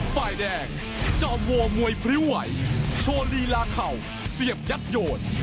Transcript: ฝ่ายแดงจอมโวมวยพริ้วไหวโชว์ลีลาเข่าเสียบยัดโยน